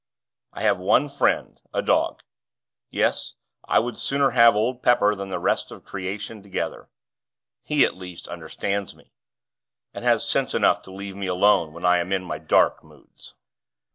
I have one friend, a dog; yes, I would sooner have old Pepper than the rest of Creation together. He, at least, understands me and has sense enough to leave me alone when I am in my dark moods.